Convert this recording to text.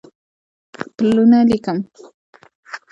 پلونه لیکم